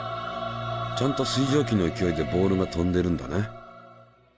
ちゃんと水蒸気の勢いでボールが飛んでるんだね。